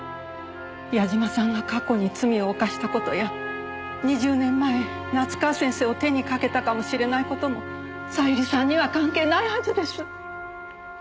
矢嶋さんが過去に罪を犯した事や２０年前夏河先生を手にかけたかもしれない事も小百合さんには関係ないはずです。